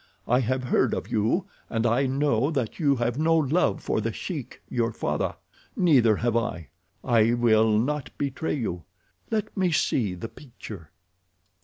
"I have heard of you and I know that you have no love for The Sheik, your father. Neither have I. I will not betray you. Let me see the picture."